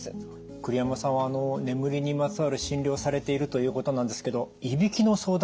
栗山さんは眠りにまつわる診療をされているということなんですけどいびきの相談